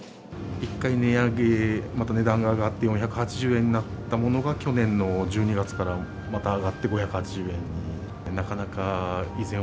１回値上げ、また値段が上がって４８０円になったものが、去年の１２月からまた上がって５８０円に。